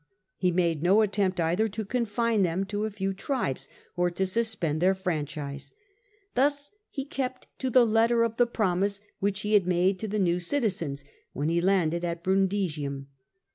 He made no attempt either to confine them to a few tribes or to suspend their franchise. Thus he kept to the letter the promise which he had made to the new citizens when he landed at Brundisium.